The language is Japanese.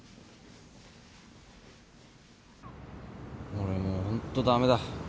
俺もうホント駄目だ。